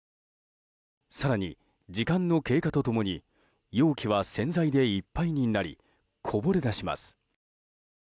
更に、時間の経過と共に容器は洗剤でいっぱいになりこぼれ出します。